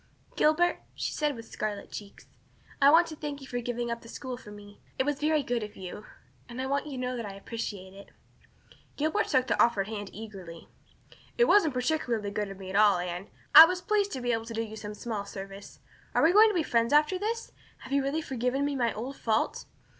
"Gilbert," she said, with scarlet cheeks, "I want to thank you for giving up the school for me. It was very good of you and I want you to know that I appreciate it." Gilbert took the offered hand eagerly. "It wasn't particularly good of me at all, Anne. I was pleased to be able to do you some small service. Are we going to be friends after this? Have you really forgiven me my old fault?"